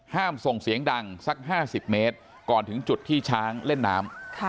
ห้ามส่งเสียงดังสักห้าสิบเมตรก่อนถึงจุดที่ช้างเล่นน้ำค่ะ